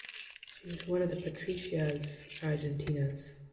She is one of the Patricias Argentinas.